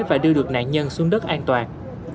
và đưa được nạn nhân xuống đất an toàn